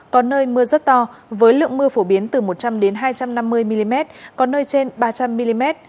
có nơi mưa rất to với lượng mưa phổ biến từ một trăm linh hai trăm năm mươi mm có nơi trên ba trăm linh mm